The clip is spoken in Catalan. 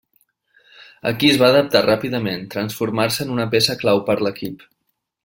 Aquí es va adaptar ràpidament, transformant-se en una peça clau per l'equip.